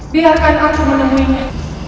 biarkan aku menemuinya